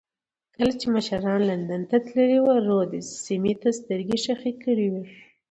کله چې مشران لندن ته تللي وو رودز سیمې ته سترګې خښې کړې وې.